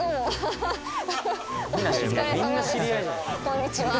こんにちは